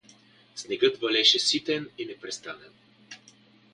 Снегът валеше ситен и непрестанен.